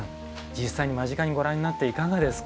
実際に間近にご覧になっていかがですか？